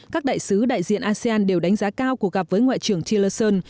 các đại sứ đại diện asean đều đánh giá cao cuộc gặp với ngoại trưởng chileson